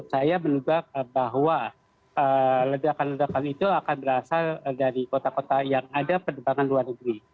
saya menugak bahwa ledakan ledakan itu akan berasal dari kota kota yang ada penerbangan luar negeri